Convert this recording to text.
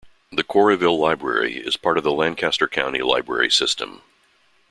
The Quarryville Library is part of the Lancaster County Library System.